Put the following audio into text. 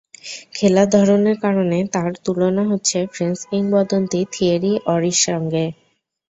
খেলার ধরনের কারণে তাঁর তুলনা হচ্ছে ফ্রেঞ্চ কিংবদন্তি থিয়েরি অঁরির সঙ্গে।